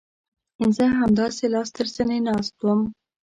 زه همداسې لاس تر زنې ناست وم.